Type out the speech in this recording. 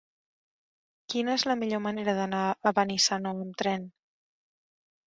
Quina és la millor manera d'anar a Benissanó amb tren?